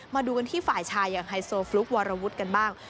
มาดูกันที่ฝ่ายชายอย่างไฮโซฟลุ๊กวรวุฒิกันบ้าง